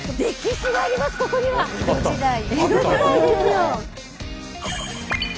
江戸時代ですよ。